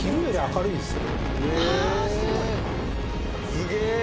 すげえ。